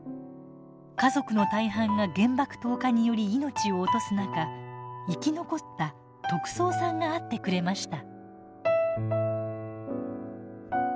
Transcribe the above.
家族の大半が原爆投下により命を落とす中生き残った三さんが会ってくれました。